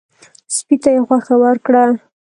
سپي ته یې غوښه ورکړه.